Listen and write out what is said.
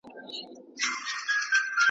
د لنډو کیسو څلور مجموعې یې چاپ ته وسپارلې .